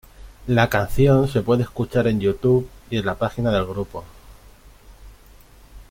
La canción se puede escuchar en YouTube y en la página del grupo.